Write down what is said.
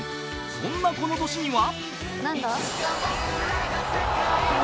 そんなこの年には］